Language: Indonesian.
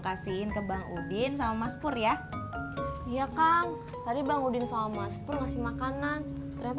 kasihin ke bang udin sama mas pur ya iya kang tadi bang udin sama mas pun ngasih makanan ternyata